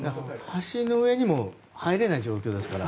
橋の上にも入れない状況ですから。